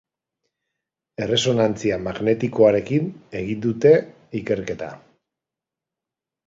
Erresonantzia magnetikoarekin egin dute ikerketa.